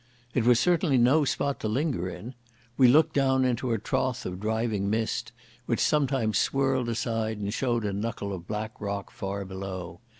It was certainly no spot to linger in. We looked down into a trough of driving mist, which sometimes swirled aside and showed a knuckle of black rock far below.